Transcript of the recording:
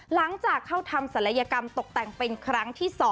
หลังจากเข้าทำศัลยกรรมตกแต่งเป็นครั้งที่๒